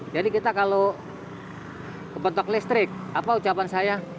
jadi kita kalau kebetok listrik apa ucapan saya